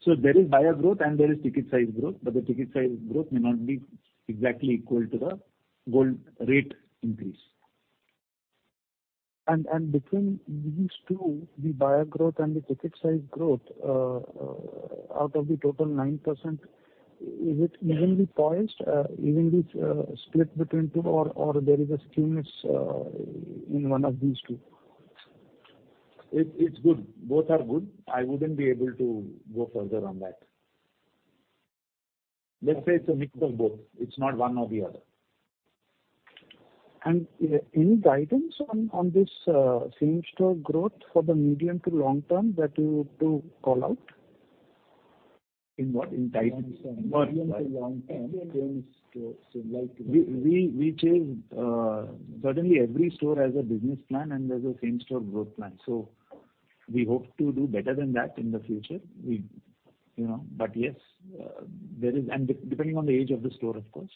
There is buyer growth and there is ticket size growth, but the ticket size growth may not be exactly equal to the gold rate increase. Between these two, the buyer growth and the ticket size growth, out of the total 9%, is it evenly poised, evenly split between two or there is a skewness in one of these two? It's good. Both are good. I wouldn't be able to go further on that. Let's say it's a mix of both. It's not one or the other. Any guidance on this, same-store growth for the medium to long term that you would do call out? In what? In guidance? Long term. Medium to long term same store, so like to like. We changed, certainly every store has a business plan and there's a same-store growth plan. We hope to do better than that in the future. We, you know. Yes, there is, and depending on the age of the store, of course.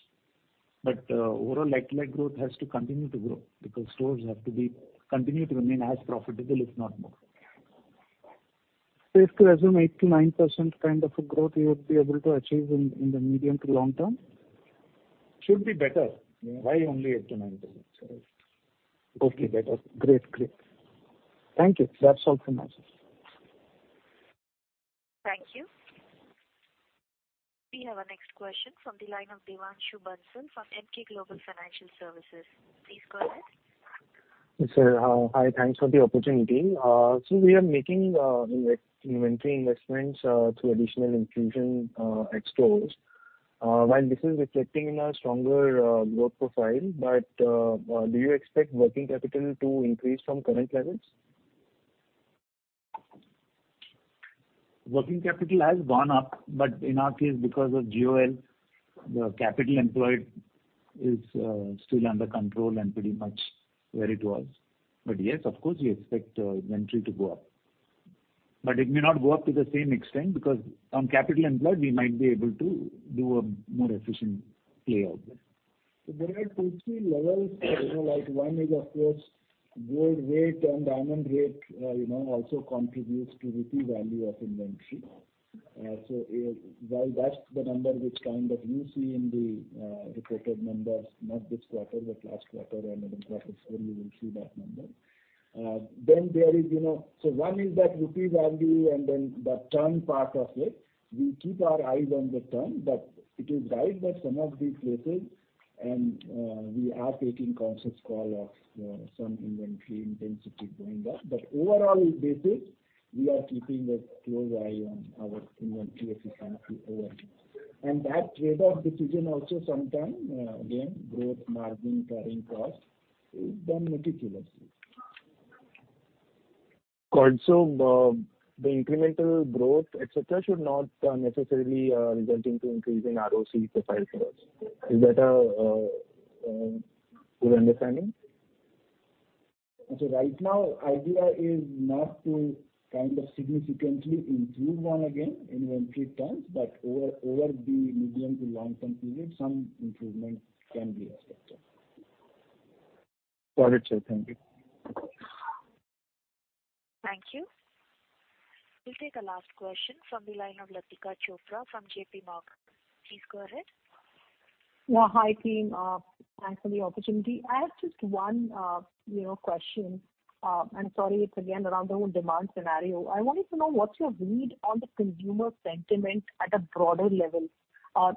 Overall like to like growth has to continue to grow because stores have to be continue to remain as profitable, if not more. Safe to assume 8%-9% kind of a growth you would be able to achieve in the medium to long term? Should be better. Why only 8%-9%? Okay. Better. Great. Great. Thank you. That's all from my side. Thank you. We have our next question from the line of Devanshu Bansal from Emkay Global Financial Services. Please go ahead. Sir, hi. Thanks for the opportunity. We are making inventory investments through additional infusion at stores. While this is reflecting in a stronger growth profile, do you expect working capital to increase from current levels? Working capital has gone up. In our case, because of GOL, the capital employed is still under control and pretty much where it was. Yes, of course, we expect our inventory to go up. It may not go up to the same extent because on capital employed we might be able to do a more efficient play out there. There are two, three levels. You know, like, one is of course gold rate and diamond rate, you know, also contributes to INR value of inventory. So while that's the number which kind of you see in the reported numbers, not this quarter but last quarter and in the process where you will see that number. So one is that INR value and then the term part of it. We keep our eyes on the term, but it will drive some of these places, and we are taking conscious call of some inventory intensity going up. Overall basis, we are keeping a close eye on our inventory efficiency overall. That trade-off decision also sometime again, growth margin carrying cost is done meticulously. Got, the incremental growth, et cetera, should not necessarily result into increase in ROC profile for us. Is that a good understanding? Right now, idea is not to kind of significantly improve on again inventory terms, but over the medium to long-term period, some improvement can be expected. Got it, sir. Thank you. Thank you. We'll take a last question from the line of Latika Chopra from JP Morgan. Please go ahead. Yeah. Hi, team. Thanks for the opportunity. I have just one, you know, question. Sorry, it's again around the demand scenario. I wanted to know what's your read on the consumer sentiment at a broader level.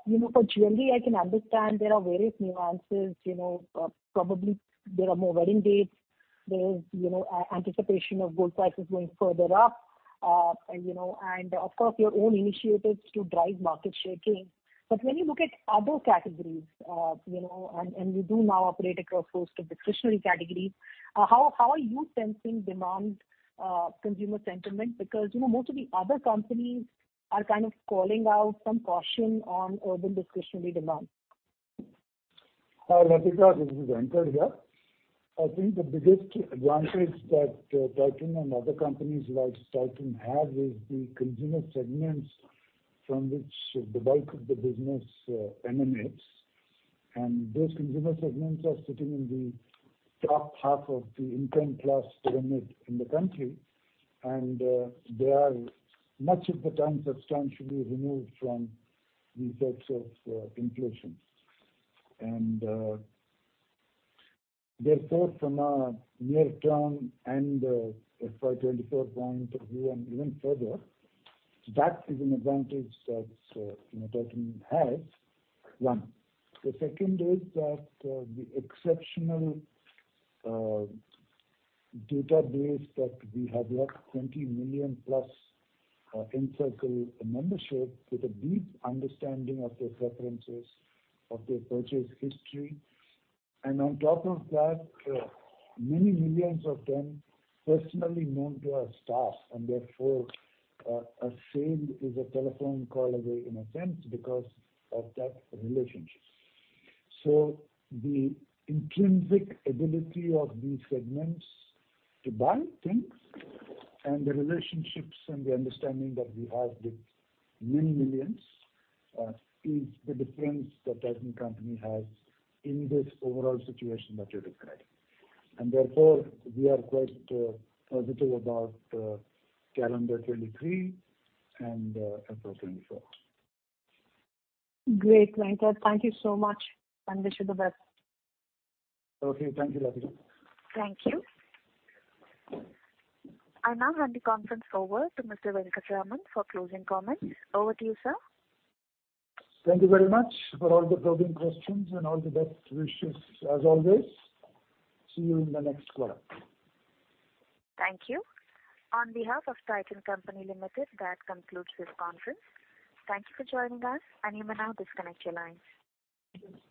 You know, for jewellery I can understand there are various nuances, you know, probably there are more wedding dates. There is, you know, anticipation of gold prices going further up. You know, of course your own initiatives to drive market share gains. When you look at other categories, you know, and you do now operate across those discretionary categories, how are you sensing demand, consumer sentiment? You know, most of the other companies are kind of calling out some caution on urban discretionary demand. Hi, Latika. This is Venkat here. I think the biggest advantage that Titan and other companies like Titan have is the consumer segments from which the bulk of the business emanates. Those consumer segments are sitting in the top half of the income class pyramid in the country, and they are much of the time substantially removed from these episodes of inflation. Therefore, from a near term and a FY 2024 point of view and even further, that is an advantage that, you know, Titan has. One. The second is that the exceptional database that we have got, +20 million Encircle membership with a deep understanding of their preferences, of their purchase history. On top of that, many millions of them personally known to our staff and therefore, a sale is a telephone call away in a sense because of that relationship. The intrinsic ability of these segments to buy things and the relationships and the understanding that we have with many millions, is the difference that Titan Company has in this overall situation that you're describing. Therefore we are quite, positive about, calendar 2023 and, FY 2024. Great, Venkat. Thank you so much and wish you the best. Okay. Thank you, Latika. Thank you. I now hand the conference over to Mr. C.K. Venkataraman for closing comments. Over to you, sir. Thank you very much for all the probing questions and all the best wishes as always. See you in the next quarter. Thank you. On behalf of Titan Company Limited, that concludes this conference. Thank you for joining us, and you may now disconnect your lines.